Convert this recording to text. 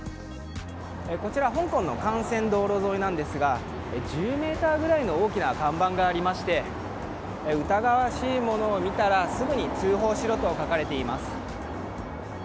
こちら香港の幹線道路沿いなんですが１０ｍぐらいの大きな看板がありまして疑わしいものを見たらすぐに通報しろと書かれています。